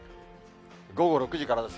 午後６時からです。